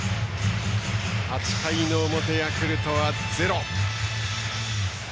８回の表、ヤクルトはゼロ。